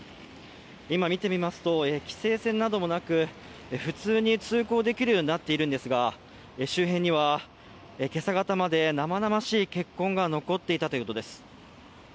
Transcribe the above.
今見てみますと、規制線などもなく普通に通行できるようになっているんですが、周辺には今朝方まで生々しい血痕が残っていたということです。